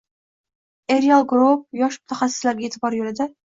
Eriell Group yosh mutaxassislarga e’tibor yo‘lida